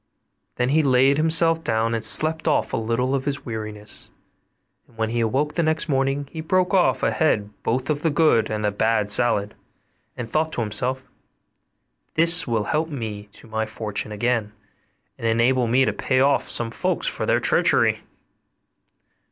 Then he laid himself down and slept off a little of his weariness; and when he awoke the next morning he broke off a head both of the good and the bad salad, and thought to himself, 'This will help me to my fortune again, and enable me to pay off some folks for their treachery.